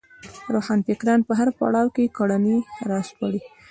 روښانفکر په هر پړاو کې کړنې راسپړي